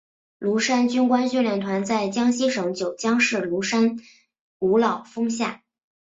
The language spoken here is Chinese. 庐山军官训练团在江西省九江市庐山五老峰下。